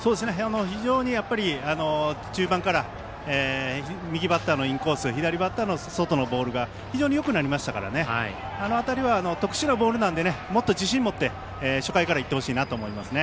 非常に中盤から右バッターのインコース左バッターの外のボールが非常によくなりましたからあの辺りは特殊なボールなのでもっと自信を持って初回から行ってほしいと思います。